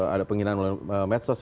ada penghinaan oleh medsos